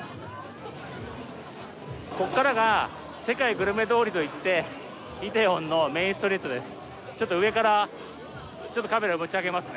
ここからが世界グルメ通りといって梨泰院のメインストリートです。